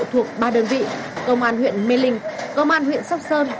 thuộc ba đơn vị công an huyện mê linh công an huyện sóc sơn